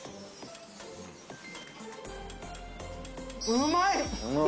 うまい！